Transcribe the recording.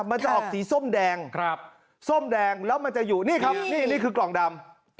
มันจะออกสีส้มแดงส้มแดงแล้วมันจะอยู่นี่ครับนี่คือกล่องดำ